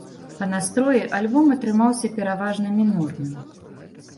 Па настроі альбом атрымаўся пераважна мінорным.